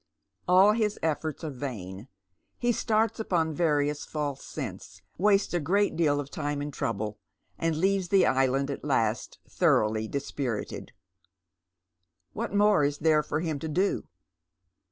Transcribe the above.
All his efforts are vain. He starts upon various false scents, Krastes a great deal of time and trouble, and leaves the island at last, thoroughly dispirited. What more is there for him to do